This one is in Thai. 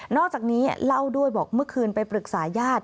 อกจากนี้เล่าด้วยบอกเมื่อคืนไปปรึกษาญาติ